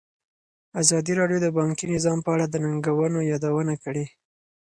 ازادي راډیو د بانکي نظام په اړه د ننګونو یادونه کړې.